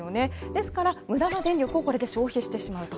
ですから無駄な電力をこれで消費してしまうと。